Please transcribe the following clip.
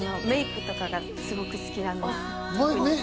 メイクとかがすごく好きなんです。